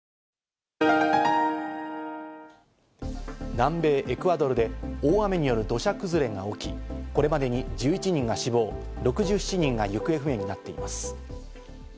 南米エクアドルで大雨による土砂崩れが起き、これまでに１１人が死亡、６７人が行方不明になっています。